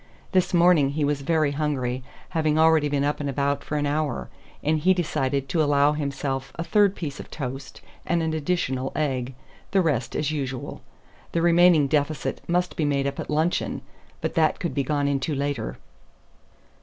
This morning he was very hungry, having already been up and about for an hour; and he decided to allow himself a third piece of toast and an additional egg; the rest as usual. The remaining deficit must be made up at luncheon; but that could be gone into later.